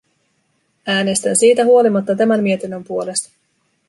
Äänestän siitä huolimatta tämän mietinnön puolesta.